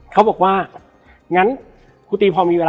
และวันนี้แขกรับเชิญที่จะมาเชิญที่เรา